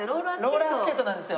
ローラースケートなんですよ。